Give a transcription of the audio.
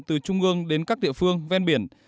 từ trung ương đến các địa phương ven biển